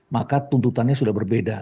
maka tuntutannya sudah berbeda